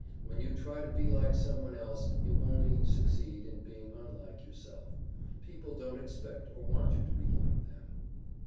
When you try to be like some one else, you only succeed in being unlike yourself. People don't expect or want you to be like them.